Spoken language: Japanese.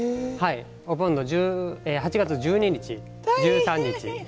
お盆の８月１２日、１３日。